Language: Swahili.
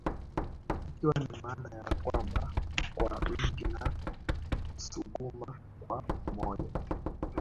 Ikiwa na maana ya kwamba kwa wingi na Nsuguma kwa umoja